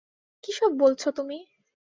কীসব বলছো তুমি?